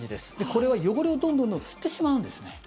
これは汚れをどんどん吸ってしまうんですね。